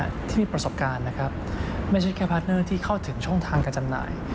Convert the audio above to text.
ที่มีประสบการณ์นะครับไม่ใช่แค่พาร์ทเนอร์ที่เข้าถึงช่องทางการจำหน่าย